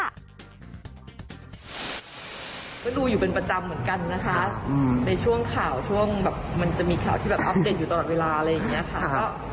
ก็ดูอยู่เป็นประจำเหมือนกันนะคะในช่วงข่าวช่วงแบบมันจะมีข่าวที่แบบอัปเดตอยู่ตลอดเวลาอะไรอย่างนี้ค่ะ